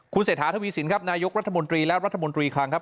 เศรษฐาทวีสินครับนายกรัฐมนตรีและรัฐมนตรีคลังครับ